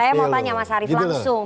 saya mau tanya mas arief langsung